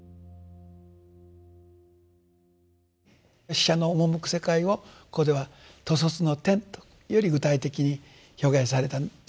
死者の赴く世界をここでは「兜卒の天」とより具体的に表現されたんじゃないだろうかと。